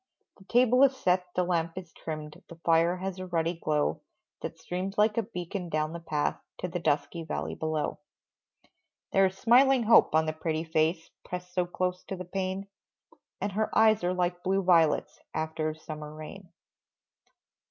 The table is set, the lamp is trimmed, The fire has a ruddy glow That streams like a beacon down the path, To the dusky valley below. There is smiling hope on the pretty face Pressed so close to the pane, And her eyes are like blue violets After a summer rain.